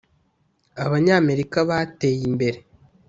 abanyamerika bateyimbere.